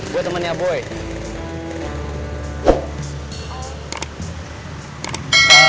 gue temennya boy